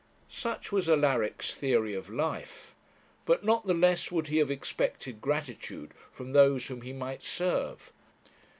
Such was Alaric's theory of life. But not the less would he have expected gratitude from those whom he might serve.